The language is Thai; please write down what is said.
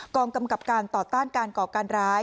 กองกำกับการต่อต้านการก่อการร้าย